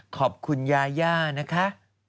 ขอบคุณยาย่านะคะ